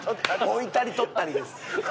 置いたり取ったりです。